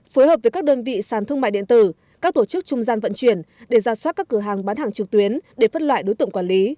phối hợp với các đơn vị sàn thương mại điện tử các tổ chức trung gian vận chuyển để ra soát các cửa hàng bán hàng trực tuyến để phân loại đối tượng quản lý